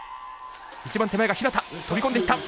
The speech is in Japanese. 一番手前が日向飛び込んでいった。